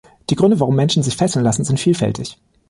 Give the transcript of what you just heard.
Die Gründe, warum Menschen sich fesseln lassen, sind vielfältig.